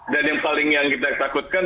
dan yang paling yang kita takutkan